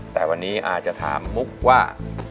แต่วันนี้อาจจะถามมุกว่า